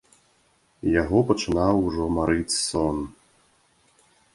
Яго пачынаў ужо марыць сон.